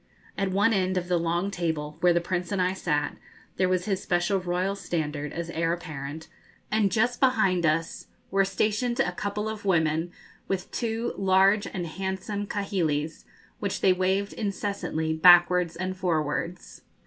At one end of the long table, where the Prince and I sat, there was his special royal standard, as heir apparent, and just behind us were stationed a couple of women, with two large and handsome kahilis, which they waved incessantly backwards and forwards.